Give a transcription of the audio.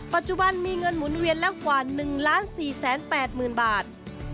ปัจจุบันมีเงินหมุนเวียนแล้วกว่า๑๔๘๐๐๐บาท